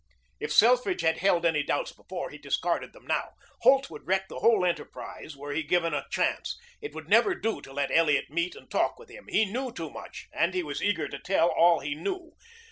If Selfridge had held any doubts before, he discarded them now. Holt would wreck the whole enterprise, were he given a chance. It would never do to let Elliot meet and talk with him. He knew too much, and he was eager to tell all he knew.